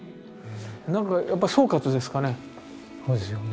何かやっぱ総括ですかね。